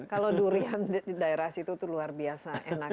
kalau durian di daerah situ tuh luar biasa enaknya